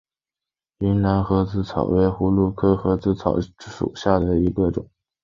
云南盒子草为葫芦科盒子草属下的一个变种。